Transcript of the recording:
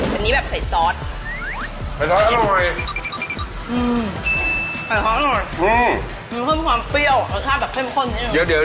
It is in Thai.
มีความเปรี้ยวก็ความเข้มข้น